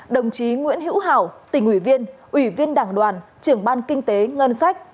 đồng chí nguyễn hữu hảo tỉnh ủy viên ủy viên đảng đoàn trưởng ban kinh tế ngân sách